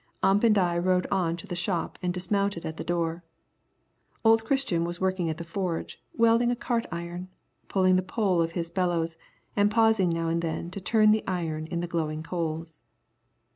Ump and I rode on to the shop and dismounted at the door. Old Christian was working at the forge welding a cart iron, pulling the pole of his bellows, and pausing now and then to turn the iron in the glowing coals.